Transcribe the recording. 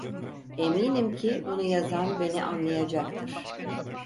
Eminim ki bunu yazan beni anlayacaktır…